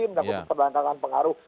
menyangkut perbankangan pengaruh